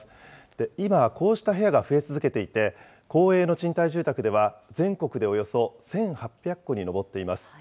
で、今、こうした部屋が増え続けていて、公営の賃貸住宅では全国でおよそ１８００戸に上っています。